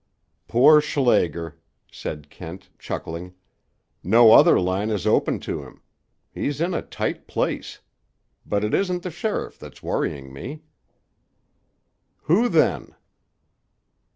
"Poor Schlager!" said Kent, chuckling. "No other line is open to him. He's in a tight place. But it isn't the sheriff that's worrying me." "Who, then?"